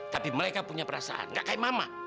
tapi mereka punya perasaan gak kain mama